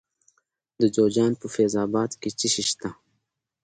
د جوزجان په فیض اباد کې څه شی شته؟